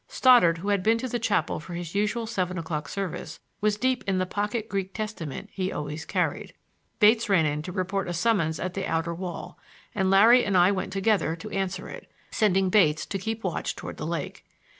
Stoddard, who had been to the chapel for his usual seven o'clock service, was deep in the pocket Greek testament he always carried. Bates ran in to report a summons at the outer wall, and Larry and I went together to answer it, sending Bates to keep watch toward the lake.